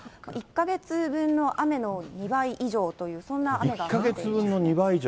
１か月分の雨の２倍以上という、そんな雨が。